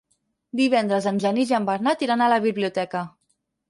Divendres en Genís i en Bernat iran a la biblioteca.